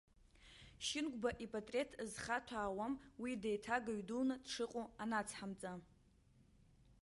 Шьынқәба ипортрет зхаҭәаауам уи деиҭагаҩ дуны дшыҟоу анацҳамҵа.